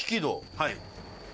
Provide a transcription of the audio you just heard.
はい。